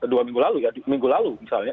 dua minggu lalu ya minggu lalu misalnya